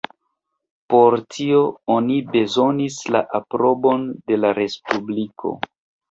Por tio oni bezonis la aprobon de la Respubliko.